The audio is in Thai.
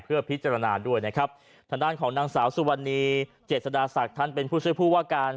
เพื่อพิจารณาด้วยนะครับทางด้านของนางสาวสุวรรณีเจษฎาศักดิ์ท่านเป็นผู้ช่วยผู้ว่าการ